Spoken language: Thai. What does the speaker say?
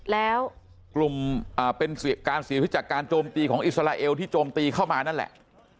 แล้วกลุ่มเป็นการเสียชีวิตจากการโจมตีของอิสราเอลที่โจมตีเข้ามานั่นแหละ